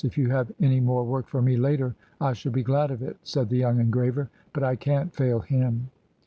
If you have any more work for me later I shall be glad of it," said the young engraver, "but I can't fail him."